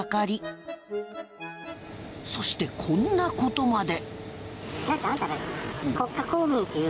そしてこんなことまで。